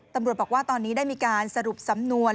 ตำรวจบอกว่าตอนนี้ได้มีการสรุปสำนวน